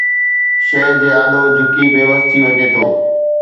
شيءِ جي آڏو جهڪي بيوس ٿي وڃي ٿو